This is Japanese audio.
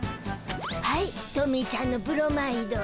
はいトミーしゃんのブロマイド。